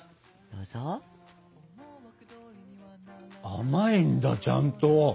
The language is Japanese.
甘いんだちゃんと。